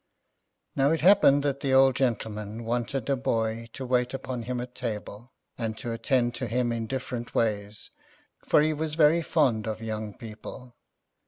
Now it happened that the old gentleman wanted a boy to wait upon him at table, and to attend to him in different ways, for he was very fond of young people.